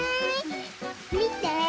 みて。